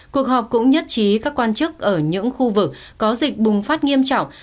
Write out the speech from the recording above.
cuộc họp cũng nhất trí các quan chức ở những khu vực có dịch bùng phát nghiêm trọng